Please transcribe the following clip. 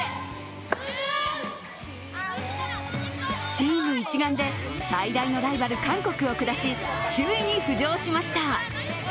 チーム一丸で最大のライバル韓国を下し、首位に浮上しました。